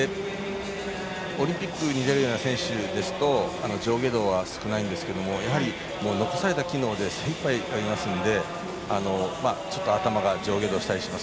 オリンピックに出るような選手ですと上下動は少ないんですけどやはり残された機能で精いっぱいやりますのでちょっと頭が上下動したりします。